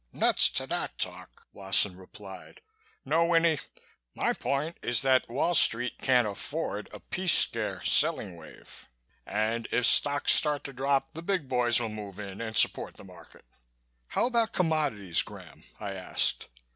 "Nuts to that talk!" Wasson replied. "No, Winnie, my point is that Wall Street can't afford a peace scare selling wave, and if stocks start to drop the big boys will move in and support the market." "How about commodities, Graham?" I asked.